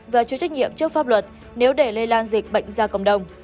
và chịu trách nhiệm trước pháp luật nếu để lây lan dịch bệnh ra cộng đồng